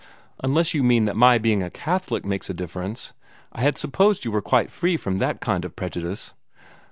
Unless you mean that my being a Catholic makes a difference. I had supposed you were quite free from that kind of prejudice."